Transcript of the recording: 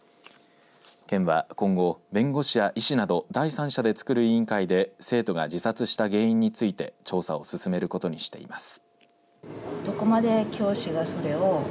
県は今後弁護士や医師など第三者でつくる委員会で生徒が自殺した原因について調査を進めることにしています。